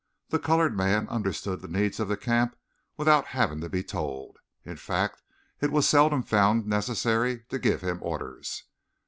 The colored man understood the needs of the camp without having to be told. In fact, it was seldom found necessary to give him orders.